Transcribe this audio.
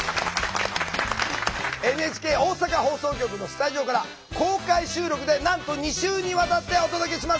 ＮＨＫ大阪放送局のスタジオから公開収録でなんと２週にわたってお届けします。